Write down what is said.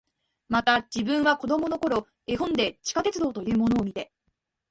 また、自分は子供の頃、絵本で地下鉄道というものを見て、